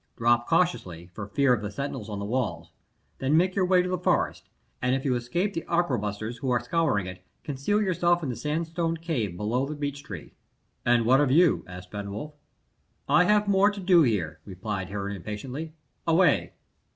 Drop cautiously, for fear of the sentinels on the walls; then make your way to the forest, and if you 'scape the arquebusiers who are scouring it, conceal yourself in the sandstone cave below the beech tree." "And what of you?" asked Fenwoif. "I have more to do here," replied Herne impatiently "away!"